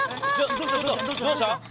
どうした？